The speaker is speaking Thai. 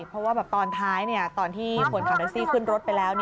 เพราะว่าตอนท้ายตอนที่คนขับแท็กซี่ขึ้นรถไปแล้ว